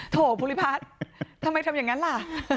โถภูริพัฒน์ทำไมทำอย่างนั้นล่ะ